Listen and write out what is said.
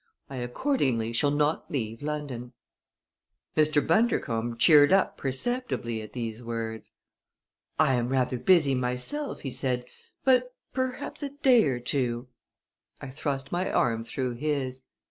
I accordingly shall not leave London." Mr. Bundercombe cheered up perceptibly at these words. "I am rather busy myself," he said; "but perhaps a day or two " I thrust my arm through his.